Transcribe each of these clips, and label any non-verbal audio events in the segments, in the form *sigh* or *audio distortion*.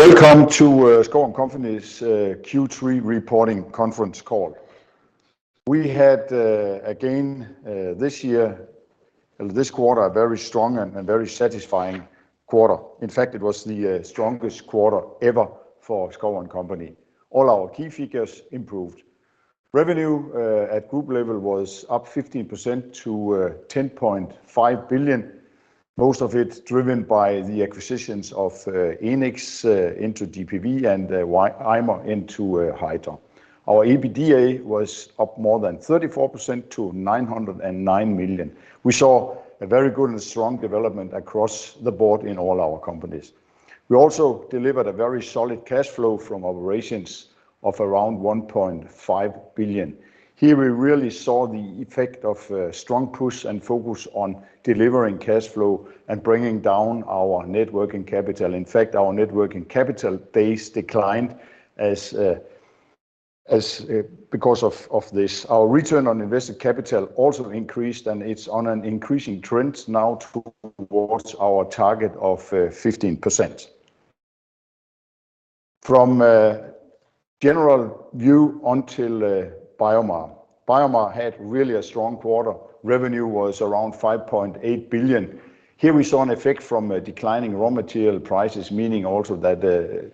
Welcome to Schouw & Co.'s Q3 reporting conference call. We had again this year, this quarter, a very strong and, and very satisfying quarter. In fact, it was the strongest quarter ever for Schouw & Co. All our key figures improved. Revenue at group level was up 15% to 10.5 billion, most of it driven by the acquisitions of Enics into GPV and Ymer into HydraSpecma. Our EBITDA was up more than 34% to 909 million. We saw a very good and strong development across the board in all our companies. We also delivered a very solid cash flow from operations of around 1.5 billion. Here, we really saw the effect of strong push and focus on delivering cash flow and bringing down our net working capital. In fact, our net working capital base declined as, because of this. Our return on invested capital also increased, and it's on an increasing trend now towards our target of 15%. From a general view until BioMar. BioMar had really a strong quarter. Revenue was around 5.8 billion. Here we saw an effect from a declining raw material prices, meaning also that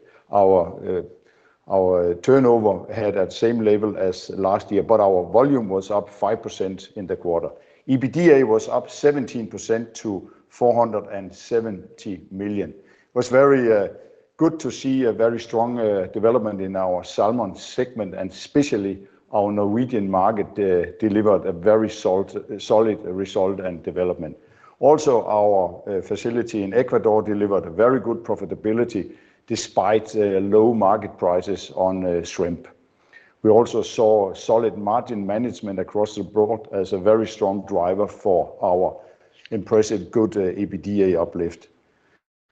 our turnover had that same level as last year, but our volume was up 5% in the quarter. EBITDA was up 17% to 470 million. It was very good to see a very strong development in our salmon segment, and especially our Norwegian market delivered a very solid result and development. Also, our facility in Ecuador delivered a very good profitability despite low market prices on shrimp. We also saw solid margin management across the board as a very strong driver for our impressive good EBITDA uplift.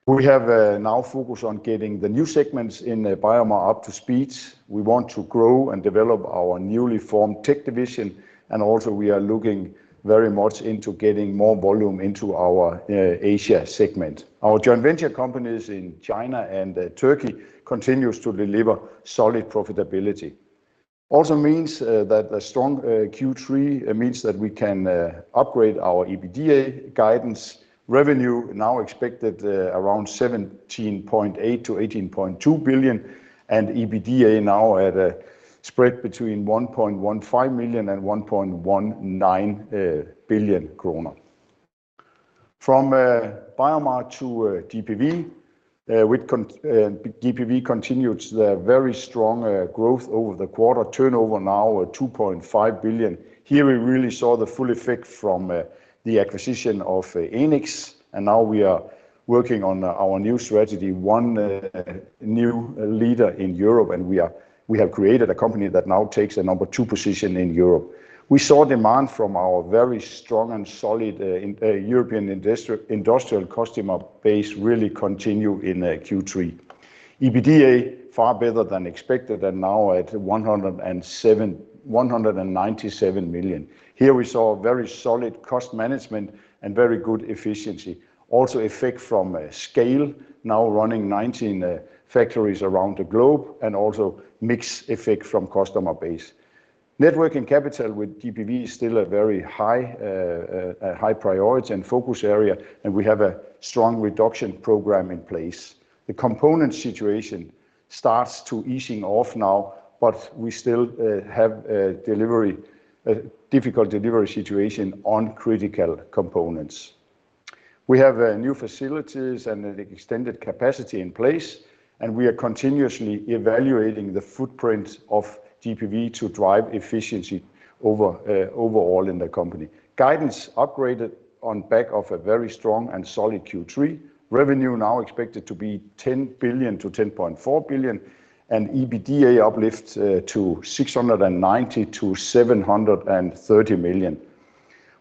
We have now focused on getting the new segments in BioMar up to speed. We want to grow and develop our newly formed tech division, and also we are looking very much into getting more volume into our Asia segment. Our joint venture companies in China and Turkey continues to deliver solid profitability. Also means that a strong Q3 means that we can upgrade our EBITDA guidance. Revenue now expected around 17.8 billion-18.2 billion and EBITDA now at a spread between 1.15 million and 1.19 billion kroner. From BioMar to GPV, GPV continues the very strong growth over the quarter. Turnover now at 2.5 billion. Here we really saw the full effect from the acquisition of Enics, and now we are working on our new strategy, one new leader in Europe, and we have created a company that now takes a number two position in Europe. We saw demand from our very strong and solid European industrial customer base really continue in Q3. EBITDA far better than expected, and now at 197 million. Here we saw a very solid cost management and very good efficiency. Also effect from a scale, now running 19 factories around the globe, and also mix effect from customer base. Net working capital with GPV is still a very high, a high priority and focus area, and we have a strong reduction program in place. The component situation starts to easing off now, but we still, have a delivery, a difficult delivery situation on critical components. We have, new facilities and an extended capacity in place, and we are continuously evaluating the footprint of GPV to drive efficiency over, overall in the company. Guidance upgraded on back of a very strong and solid Q3. Revenue now expected to be 10 billion-10.4 billion, and EBITDA uplifts, to 690 million-730 million.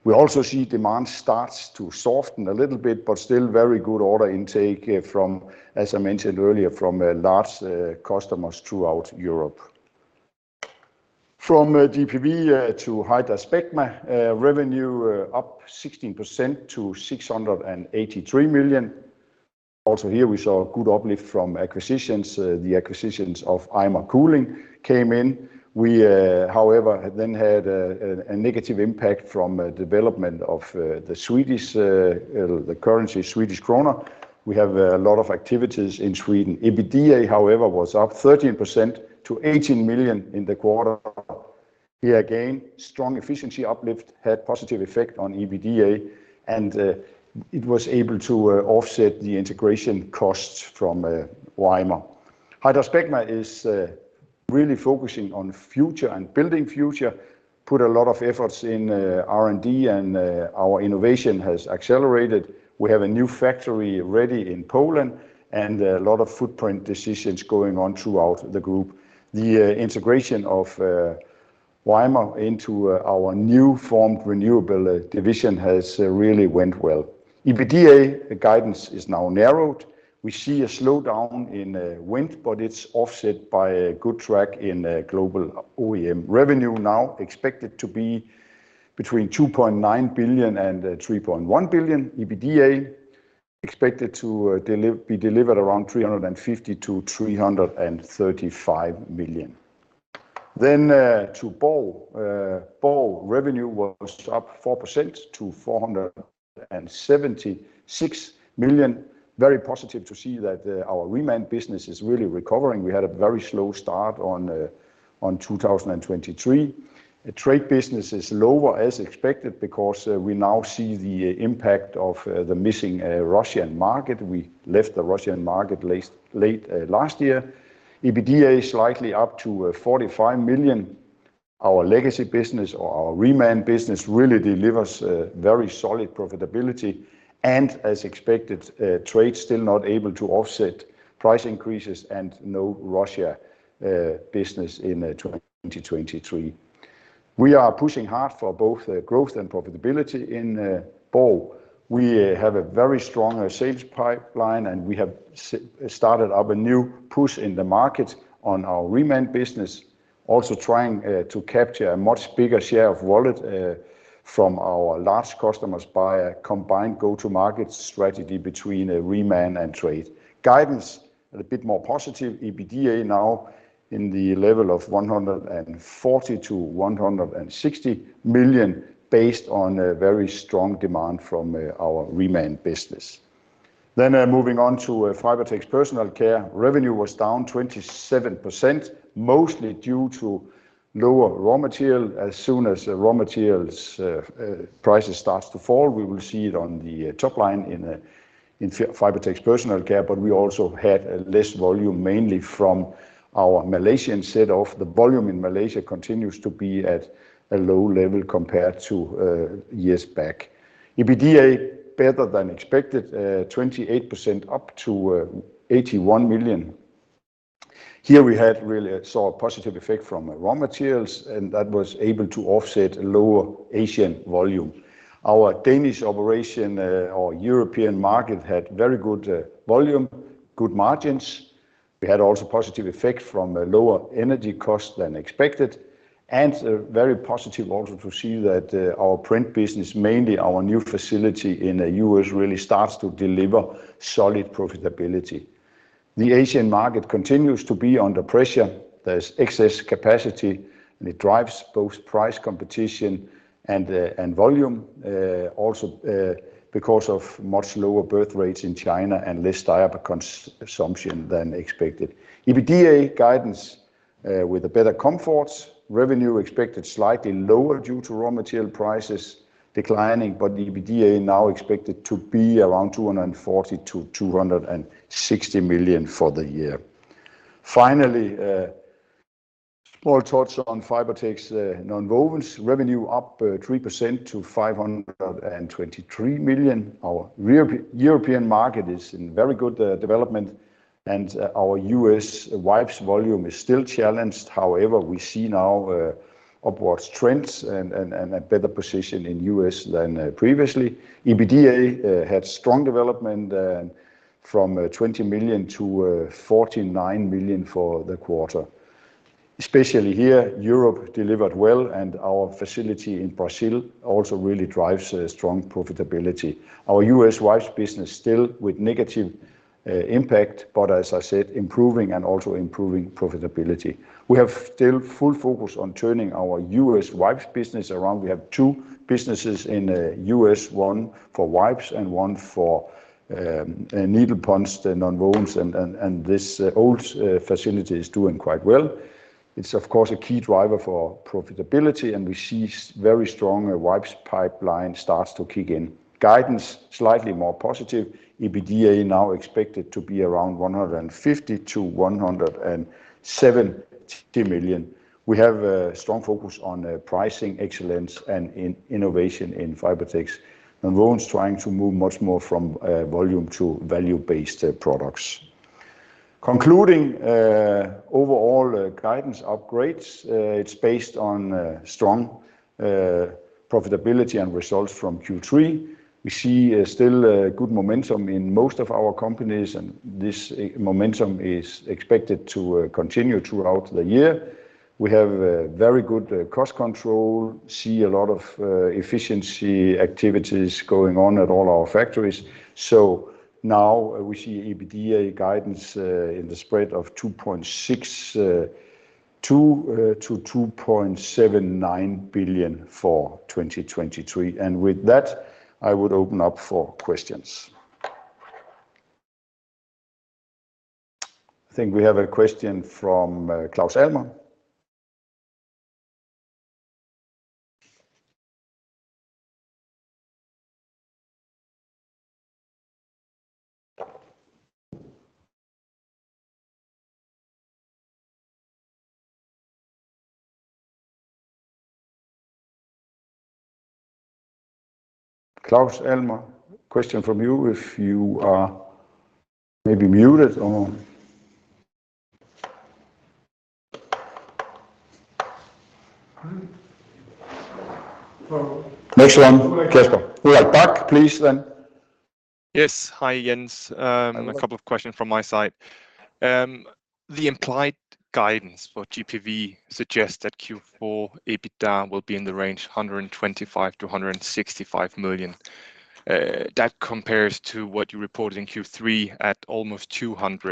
We also see demand starts to soften a little bit, but still very good order intake from, as I mentioned earlier, from, large, customers throughout Europe. From GPV to HydraSpecma, revenue up 16% to 683 million. Also here, we saw a good uplift from acquisitions. The acquisitions of Ymer Cooling came in. We, however, then had a negative impact from development of the Swedish currency Swedish krona. We have a lot of activities in Sweden. EBITDA, however, was up 13% to 18 million in the quarter. Here again, strong efficiency uplift had positive effect on EBITDA, and it was able to offset the integration costs from Ymer. HydraSpecma is really focusing on future and building future, put a lot of efforts in R&D, and our innovation has accelerated. We have a new factory ready in Poland and a lot of footprint decisions going on throughout the group. The integration of Ymer into our newly formed renewable division has really went well. EBITDA, the guidance is now narrowed. We see a slowdown in wind, but it's offset by a good track in global OEM revenue, now expected to be between 2.9 billion and 3.1 billion. EBITDA expected to deliver, be delivered around 350 million-335 million. Then, to BORG, BORG revenue was up 4% to 476 million. Very positive to see that our reman business is really recovering. We had a very slow start on, on 2023. The trade business is lower as expected because we now see the impact of the missing Russian market. We left the Russian market late last year. EBITDA is slightly up to 45 million. Our legacy business or our reman business really delivers very solid profitability, and as expected, trade still not able to offset price increases and no Russia business in 2023. We are pushing hard for both growth and profitability in BORG. We have a very strong sales pipeline, and we have started up a new push in the market on our reman business. Also trying to capture a much bigger share of wallet from our large customers by a combined go-to-market strategy between a reman and trade. Guidance a bit more positive. EBITDA now in the level of 140 million-160 million, based on a very strong demand from our reman business. Then, moving on to Fibertex Personal Care, revenue was down 27%, mostly due to lower raw material. As soon as raw materials prices starts to fall, we will see it on the top line in Fibertex Personal Care, but we also had a less volume, mainly from our Malaysian set off. The volume in Malaysia continues to be at a low level compared to years back. EBITDA, better than expected, 28% up to 81 million. Here we had really saw a positive effect from raw materials, and that was able to offset lower Asian volume. Our Danish operation, or European market, had very good volume, good margins. We had also positive effect from a lower energy cost than expected, and a very positive also to see that, our print business, mainly our new facility in the U.S., really starts to deliver solid profitability. The Asian market continues to be under pressure. There's excess capacity, and it drives both price competition and volume. Also, because of much lower birth rates in China and less diaper consumption than expected. EBITDA guidance with better comfort, revenue expected slightly lower due to raw material prices declining, but the EBITDA now expected to be around 240 million-260 million for the year. Finally, small thoughts on Fibertex. Nonwovens revenue up 3% to 523 million. Our European market is in very good development, and our U.S. wipes volume is still challenged. However, we see now upwards trends and a better position in U.S. than previously. EBITDA had strong development from 20 million-49 million for the quarter. Especially here, Europe delivered well, and our facility in Brazil also really drives a strong profitability. Our U.S. wipes business still with negative impact, but as I said, improving and also improving profitability. We have still full focus on turning our U.S. wipes business around. We have two businesses in the U.S., one for wipes and one for needle punched and nonwovens, and this old facility is doing quite well. It's of course a key driver for profitability, and we see very strong wipes pipeline starts to kick in. Guidance, slightly more positive. EBITDA now expected to be around 150 million-170 million. We have a strong focus on pricing excellence and innovation in Fibertex Nonwovens trying to move much more from volume to value-based products. Concluding overall guidance upgrades, it's based on strong profitability and results from Q3. We see still a good momentum in most of our companies, and this momentum is expected to continue throughout the year. We have a very good cost control, see a lot of efficiency activities going on at all our factories. So now we see EBITDA guidance in the spread of 2.62 billion-2.79 billion for 2023. And with that, I would open up for questions. I think we have a question from Claus Almer. Claus Almer, question from you if you are maybe muted or... Next one, Kasper. We have Bak, please, then?... Yes. Hi, Jens. A couple of questions from my side. The implied guidance for GPV suggests that Q4 EBITDA will be in the range 125 million-165 million. That compares to what you reported in Q3 at almost 200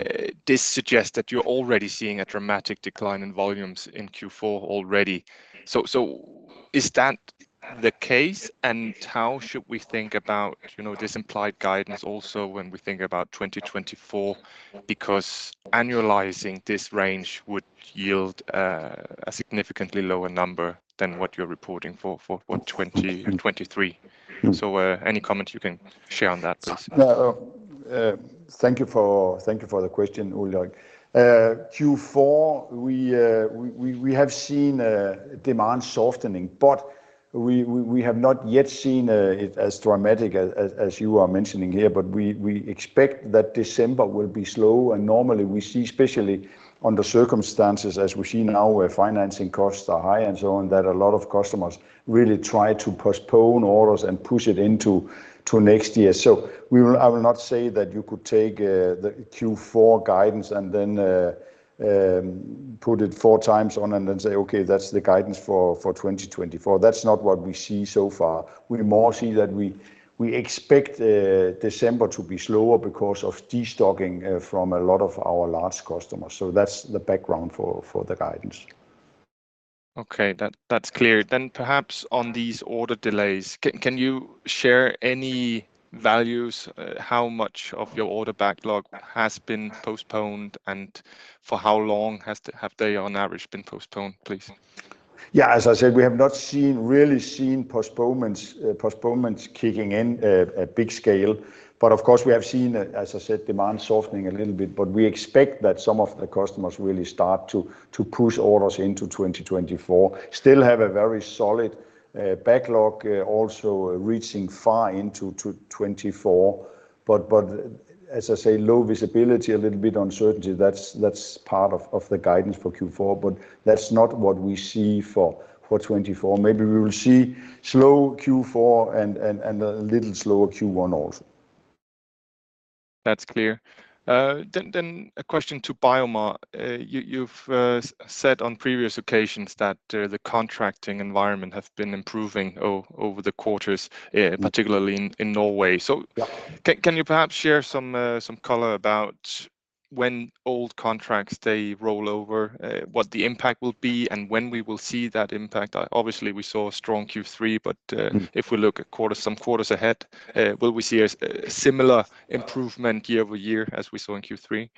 million. This suggests that you're already seeing a dramatic decline in volumes in Q4 already. So is that the case, and how should we think about, you know, this implied guidance also when we think about 2024? Because annualizing this range would yield a significantly lower number than what you're reporting for 2023. So, any comment you can share on that, please? Well, thank you for, thank you for the question, Ulrich. Q4, we have seen demand softening, but we have not yet seen it as dramatic as you are mentioning here. But we expect that December will be slow. And normally, we see, especially on the circumstances as we see now, where financing costs are high and so on, that a lot of customers really try to postpone orders and push it into next year. So, I will not say that you could take the Q4 guidance and then put it four times on and then say, "Okay, that's the guidance for 2024." That's not what we see so far. We more see that we expect December to be slower because of destocking from a lot of our large customers. So that's the background for the guidance. Okay. That's clear. Then perhaps on these order delays, can you share any values, how much of your order backlog has been postponed, and for how long have they, on average, been postponed, please? Yeah, as I said, we have not really seen postponements kicking in at big scale. But of course, we have seen, as I said, demand softening a little bit, but we expect that some of the customers really start to push orders into 2024. Still have a very solid backlog, also reaching far into 2024. But as I say, low visibility, a little bit uncertainty, that's part of the guidance for Q4, but that's not what we see for 2024. Maybe we will see slow Q4 and a little slower Q1 also. That's clear. Then a question to BioMar. You, you've said on previous occasions that the contracting environment has been improving over the quarters, particularly in Norway. Yeah. Can you perhaps share some color about when old contracts they roll over, what the impact will be, and when we will see that impact? Obviously, we saw a strong Q3, but, Mm... if we look at quarters, some quarters ahead, will we see a similar improvement year-over-year as we saw in Q3?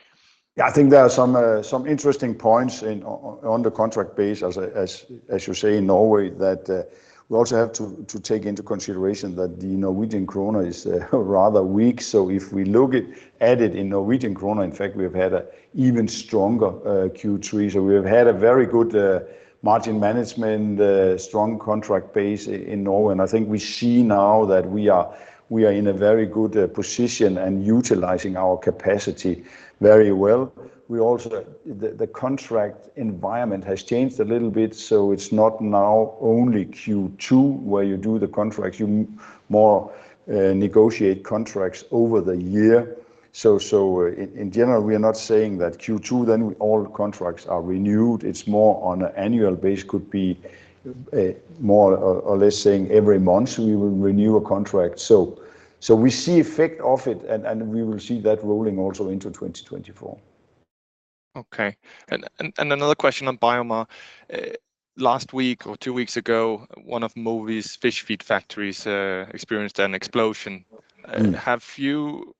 Yeah, I think there are some interesting points on the contract base, as you say, in Norway, that we also have to take into consideration that the Norwegian kroner is rather weak. So if we look at added in Norwegian kroner, in fact, we have had a even stronger Q3. So we have had a very good margin management, strong contract base in Norway, and I think we see now that we are in a very good position and utilizing our capacity very well. We also... The contract environment has changed a little bit, so it's not now only Q2 where you do the contracts, you more negotiate contracts over the year. So in general, we are not saying that Q2, then all contracts are renewed. It's more on an annual basis, could be more or less saying every month we will renew a contract. So we see effect of it, and we will see that rolling also into 2024. Okay. And another question on BioMar. Last week or two weeks ago, one of Mowi's fish feed factories experienced an explosion. Mm.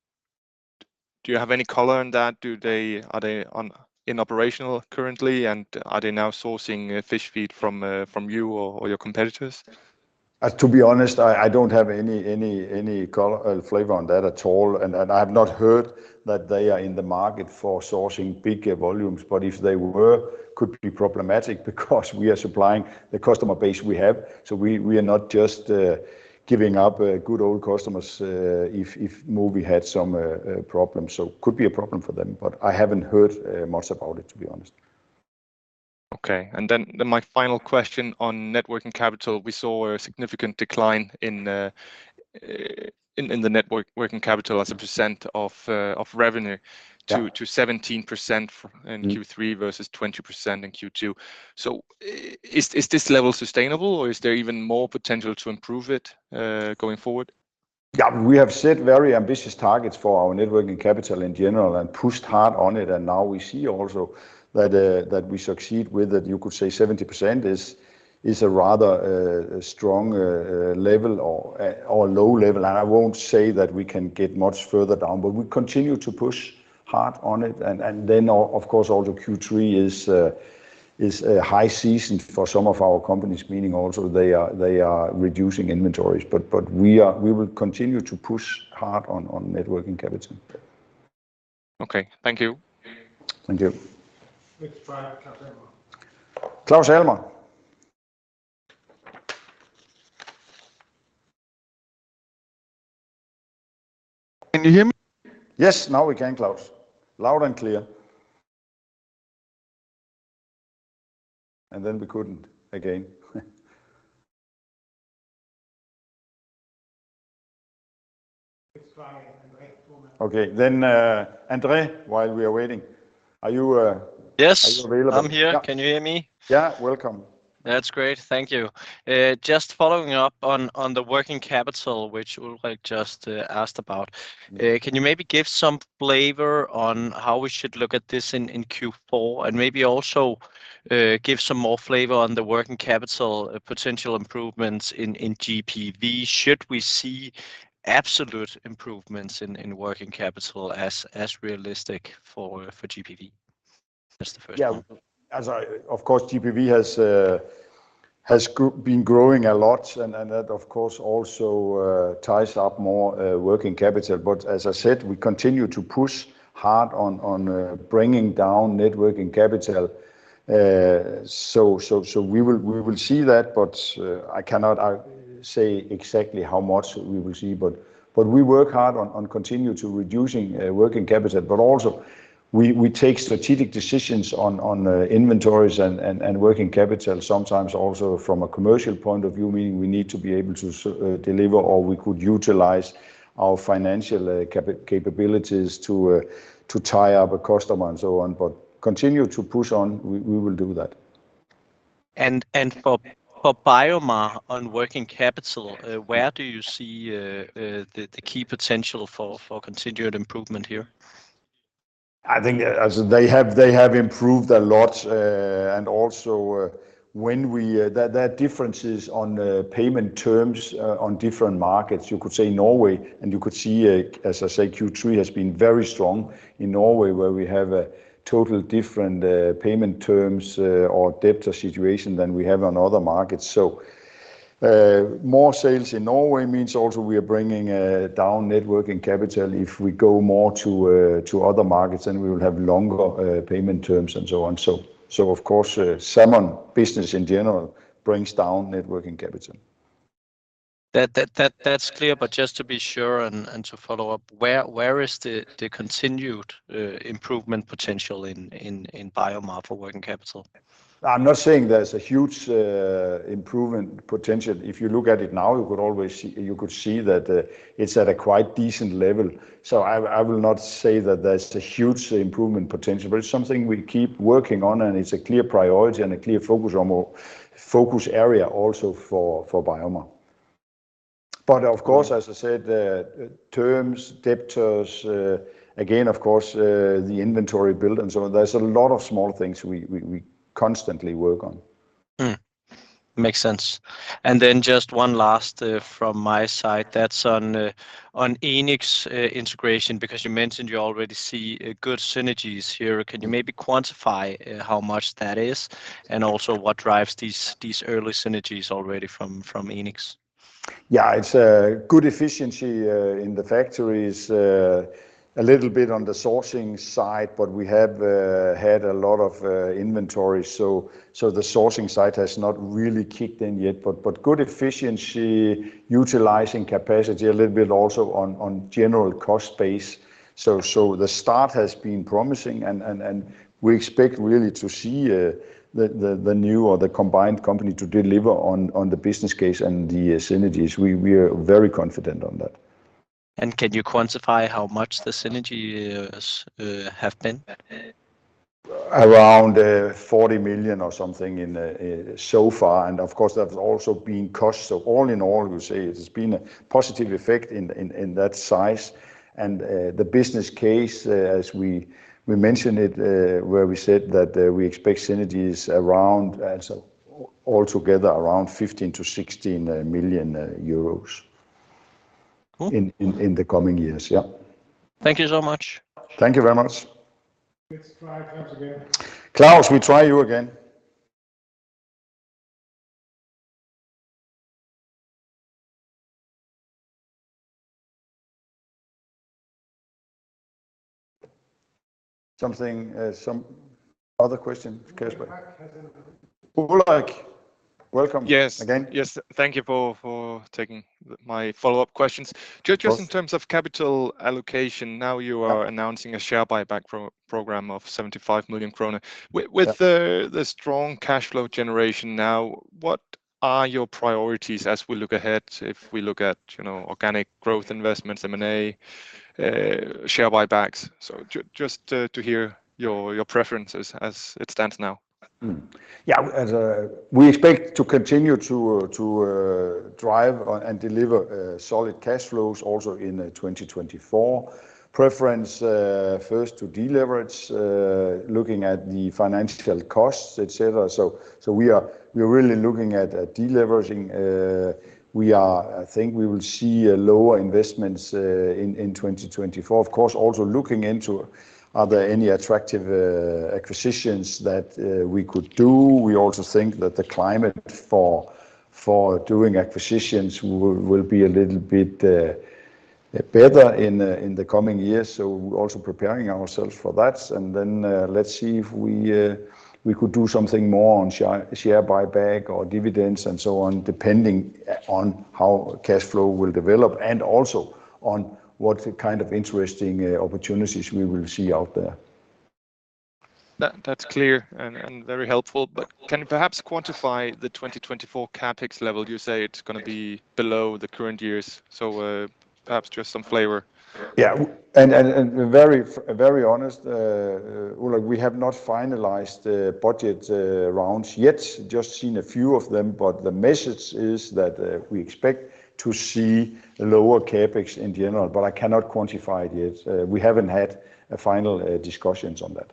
Do you have any color on that? Are they operational currently, and are they now sourcing fish feed from you or your competitors? To be honest, I don't have any color, flavor on that at all. I have not heard that they are in the market for sourcing bigger volumes, but if they were, could be problematic because we are supplying the customer base we have. We are not just giving up good old customers if Mowi had some problems, so could be a problem for them, but I haven't heard much about it, to be honest. Okay, and then my final question on net working capital. We saw a significant decline in the net working capital as a % of revenue- Yeah... to 17% in Q3- Mm... versus 20% in Q2. So is this level sustainable, or is there even more potential to improve it going forward? Yeah, we have set very ambitious targets for our Net Working Capital in general and pushed hard on it, and now we see also that we succeed with it. You could say 70% is a rather strong level or a low level, and I won't say that we can get much further down, but we continue to push hard on it. And then of course also Q3 is a high season for some of our companies, meaning also they are reducing inventories, but we will continue to push hard on Net Working Capital. Okay. Thank you. Thank you. Next, Claus Almer. Claus Almer. Can you hear me? Yes, now we can, Claus. Loud and clear... and then we couldn't again. Let's try again. Wait a moment. Okay, then, Andre, while we are waiting, are you Yes. Are you available? I'm here. Yeah. Can you hear me? Yeah. Welcome. That's great. Thank you. Just following up on the working capital, which Ulrich just asked about. Mm. Can you maybe give some flavor on how we should look at this in Q4, and maybe also give some more flavor on the working capital potential improvements in GPV? Should we see absolute improvements in working capital as realistic for GPV? That's the first one. Yeah. Of course, GPV has been growing a lot, and that, of course, also ties up more working capital. But as I said, we continue to push hard on bringing down net working capital. So we will see that, but I cannot say exactly how much we will see. But we work hard on continue to reducing working capital, but also we take strategic decisions on inventories and working capital, sometimes also from a commercial point of view, meaning we need to be able to deliver or we could utilize our financial capabilities to tie up a customer and so on. But continue to push on, we will do that. And for BioMar on working capital- Yeah... where do you see the key potential for continued improvement here? I think, as they have, they have improved a lot. And also, there are differences on payment terms on different markets. You could say Norway, and you could see, as I say, Q3 has been very strong in Norway, where we have a total different payment terms or debtor situation than we have on other markets. So, more sales in Norway means also we are bringing down Net Working Capital. If we go more to other markets, then we will have longer payment terms and so on. So of course, salmon business in general brings down Net Working Capital. That's clear, but just to be sure and to follow up, where is the continued improvement potential in BioMar for working capital? I'm not saying there's a huge improvement potential. If you look at it now, you could always see... you could see that it's at a quite decent level. So I will not say that there's a huge improvement potential, but it's something we keep working on, and it's a clear priority and a clear focus or more focus area also for BioMar. But of course, as I said, the terms, debtors, again, of course, the inventory build and so on, there's a lot of small things we constantly work on. Mm. Makes sense. Then just one last from my side, that's on Enics's integration, because you mentioned you already see good synergies here. Can you maybe quantify how much that is, and also what drives these early synergies already from Enics? Yeah, it's a good efficiency in the factories, a little bit on the sourcing side, but we have had a lot of inventory, so the sourcing side has not really kicked in yet. But good efficiency, utilizing capacity a little bit also on general cost base. So the start has been promising, and we expect really to see the new or the combined company to deliver on the business case and the synergies. We are very confident on that. Can you quantify how much the synergies have been? Around 40 million or something in so far, and of course, there's also been costs. So all in all, we say it has been a positive effect in that size. The business case, as we mentioned it, where we said that we expect synergies around, so altogether around 15million-16 million euros. Cool... in the coming years. Yeah. Thank you so much. Thank you very much. Let's try Klaus again. Klaus, we try you again. Something, some other question, Kasper? Uh, Ulrich. Ulrich, welcome- Yes. Again. Yes, thank you for taking my follow-up questions. Of course. Just in terms of capital allocation, now you are announcing a share buyback program of 75 million kroner. Yeah. With the strong cash flow generation now, what are your priorities as we look ahead, if we look at, you know, organic growth investments, M&A, share buybacks? So just to hear your preferences as it stands now. Yeah, as we expect to continue to drive and deliver solid cash flows also in 2024. Preference first to deleverage, looking at the financial costs, et cetera. So we are really looking at deleveraging. We are—I think we will see lower investments in 2024. Of course, also looking into, are there any attractive acquisitions that we could do? We also think that the climate for doing acquisitions will be a little bit better in the coming years, so we're also preparing ourselves for that. Then, let's see if we could do something more on share buyback or dividends and so on, depending on how cash flow will develop, and also on what kind of interesting opportunities we will see out there.... That, that's clear and, and very helpful, but can you perhaps quantify the 2024 CapEx level? You say it's gonna be below the current years, so, perhaps just some flavor. Yeah, and very, very honest, Ola, we have not finalized the budget rounds yet, just seen a few of them, but the message is that we expect to see lower CapEx in general, but I cannot quantify it yet. We haven't had a final discussions on that.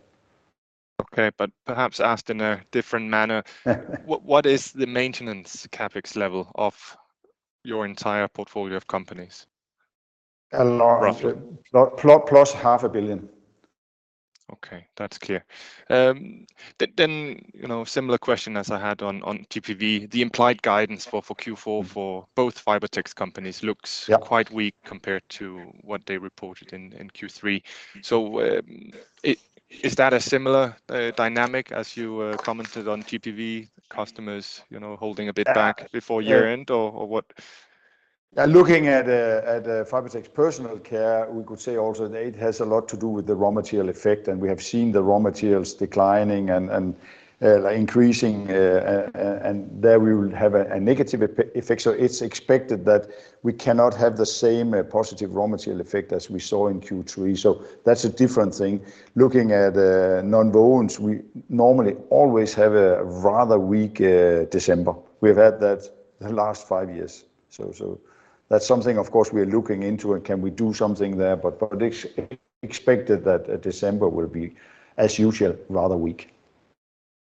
Okay, but perhaps asked in a different manner. What is the maintenance CapEx level of your entire portfolio of companies? A lot-Roughly. Plus, plus 500 million. Okay, that's clear. Then, you know, similar question as I had on, on GPV, the implied guidance for, for Q4 for both Fibertex companies looks- Yeah... quite weak compared to what they reported in Q3. So, is that a similar dynamic as you commented on GPV customers, you know, holding a bit back before year-end, or what? Looking at Fibertex Personal Care, we could say also that it has a lot to do with the raw material effect, and we have seen the raw materials declining and increasing, and there we will have a negative effect. So it's expected that we cannot have the same positive raw material effect as we saw in Q3. So that's a different thing. Looking at nonwovens, we normally always have a rather weak December. We've had that the last five years. So that's something of course we are looking into and can we do something there, but prediction expected that December will be, as usual, rather weak.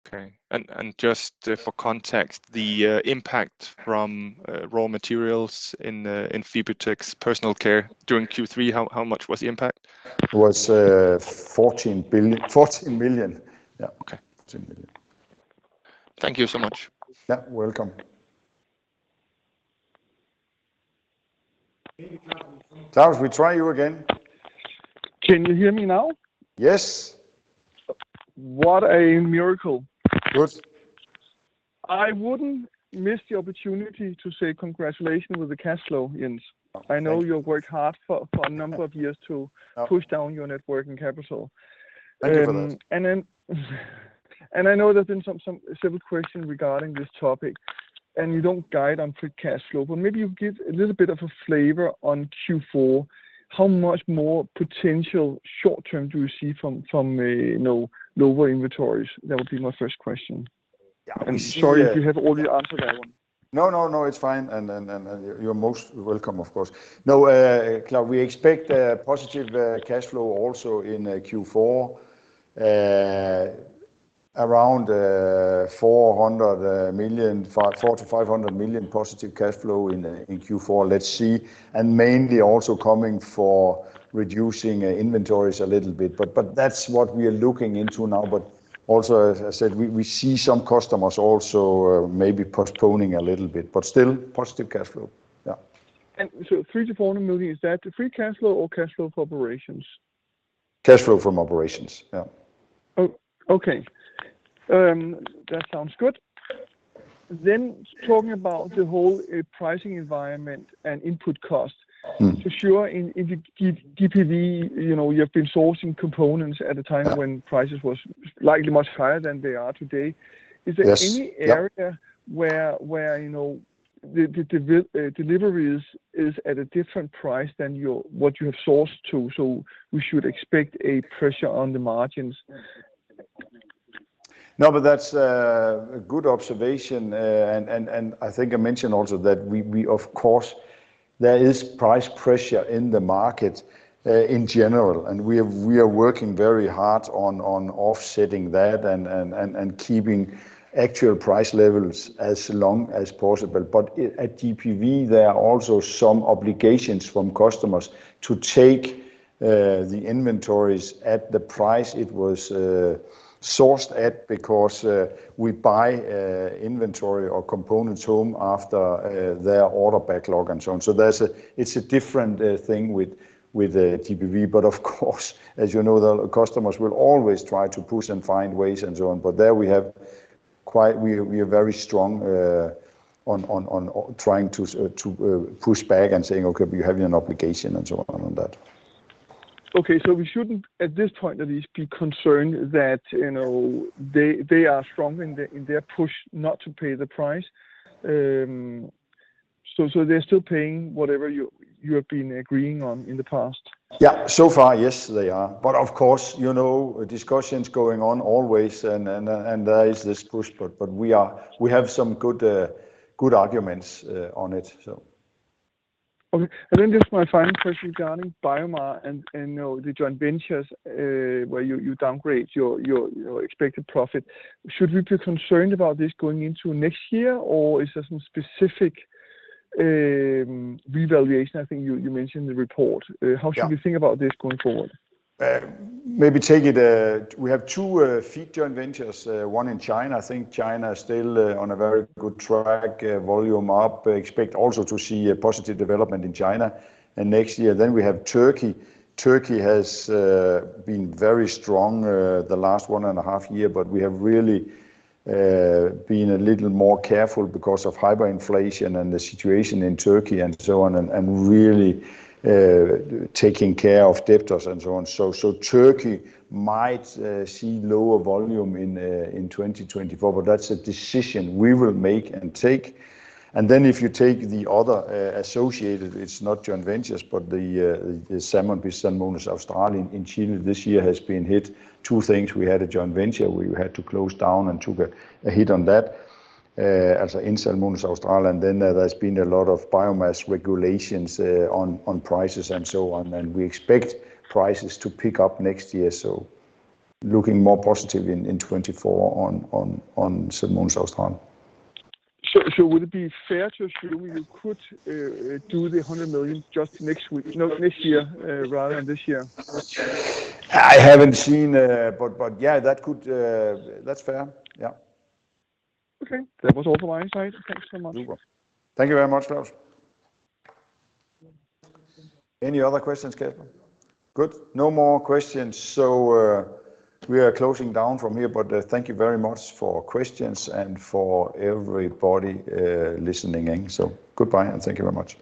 Okay. And just for context, the impact from raw materials in Fibertex Personal Care during Q3, how much was the impact? It was, 14 billion... 14 million. Yeah. Okay. *audio distortion* Thank you so much. Yeah, welcome. Claus, we try you again. Can you hear me now? Yes. What a miracle! Good. I wouldn't miss the opportunity to say congratulations with the cash flow, Jens. Oh, thank you. I know you've worked hard for a number of years to- Yeah Push down your Net Working Capital. Thank you for that. I know there's been several questions regarding this topic, and you don't guide on free cash flow, but maybe you give a little bit of a flavor on Q4. How much more potential short term do you see from a, you know, lower inventories? That would be my first question. Yeah. Sorry if you have already answered that one. No, no, no, it's fine, and you're most welcome, of course. No, Claus, we expect a positive cash flow also in Q4, around 400 million, 400million-500 million positive cash flow in Q4. Let's see, and mainly also coming for reducing inventories a little bit, but that's what we are looking into now. But also, as I said, we see some customers also maybe postponing a little bit, but still positive cash flow. Yeah. 300million-400 million, is that free cash flow or cash flow from operations? Cash flow from operations, yeah. Oh, okay. That sounds good. Then talking about the whole, pricing environment and input costs- Mm. for sure in GPV, you know, you have been sourcing components at a time- Yeah When prices was likely much higher than they are today. Yes. Yeah. Is there any area where, you know, the deliveries is at a different price than your what you have sourced to, so we should expect a pressure on the margins? No, but that's a good observation. And I think I mentioned also that we of course, there is price pressure in the market in general, and we are working very hard on offsetting that and keeping actual price levels as long as possible. But at GPV, there are also some obligations from customers to take the inventories at the price it was sourced at, because we buy inventory or components home after their order backlog and so on. So it's a different thing with the GPV. But of course, as you know, the customers will always try to push and find ways and so on, but there we have quite... We are very strong on trying to push back and saying, "Okay, but you have an obligation," and so on, on that. Okay, so we shouldn't, at this point at least, be concerned that, you know, they are strong in their push not to pay the price. So, they're still paying whatever you have been agreeing on in the past? Yeah. So far, yes, they are. But of course, you know, discussions going on always and there is this push, but we have some good, good arguments on it, so. Okay, and then this is my final question regarding BioMar and you know the joint ventures where you downgrade your expected profit. Should we be concerned about this going into next year, or is there some specific revaluation, I think you mentioned the report? Yeah. How should we think about this going forward? Maybe take it, we have two fewer joint ventures, one in China. I think China is still on a very good track, volume up. I expect also to see a positive development in China next year. Then we have Turkey. Turkey has been very strong the last one and a half year, but we have really been a little more careful because of hyperinflation and the situation in Turkey and so on, and really taking care of debtors and so on. So Turkey might see lower volume in 2024, but that's a decision we will make and take. And then if you take the other associated, it's not joint ventures, but the salmon with Skretting Australia and Chile this year has been hit. Two things: we had a joint venture where we had to close down and took a hit on that, as in Skretting Australia. And then there's been a lot of biomass regulations on prices and so on, and we expect prices to pick up next year. So looking more positive in 2024 on Skretting Australia. So, would it be fair to assume you could do the 100 million just next week, no, next year, rather than this year? I haven't seen, but, but yeah, that could. That's fair. Yeah. Okay, that was all from my side. Thank you so much. You're welcome. Thank you very much, Claus. Any other questions come? Good. No more questions, so, we are closing down from here, but, thank you very much for questions and for everybody, listening in. So goodbye, and thank you very much.